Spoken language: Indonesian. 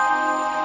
kau mau ngapain